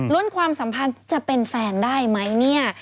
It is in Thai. ความสัมพันธ์จะเป็นแฟนได้ไหมเนี่ย